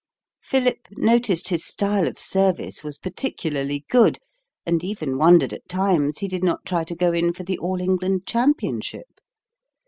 Philip noticed his style of service was particularly good, and even wondered at times he did not try to go in for the All England Championship.